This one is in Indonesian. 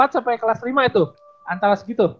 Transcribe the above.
empat sampai kelas lima itu antara segitu